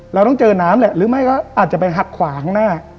เราต้องเจอน้ำแหละหรือไม่ก็อาจจะไปหักขวางหน้า